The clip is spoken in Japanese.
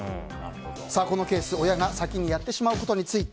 このケース、親が先にやってしまうことについて